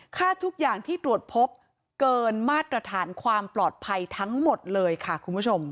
ค่าทุกอย่างที่ตรวจพบเกินมาตรฐานความปลอดภัยทั้งหมดเลยค่ะคุณผู้ชม